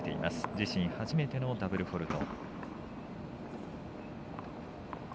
自身初めてのダブルフォールト。